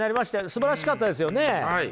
すばらしかったですよね。